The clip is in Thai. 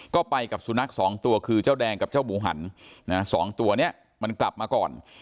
ก็ไปกับสุนัขสองตัวคือเจ้าแดงกับเจ้าหมูหันสองตัวนี้มันกลับมาก่อน